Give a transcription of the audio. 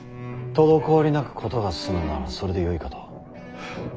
滞りなく事が進むのならばそれでよいかと。